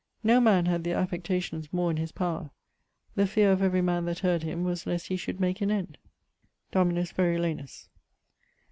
No man had their affections more in his power. The feare of every man that heard him was lest he should make an end. [XII.] Dominus Verulanus.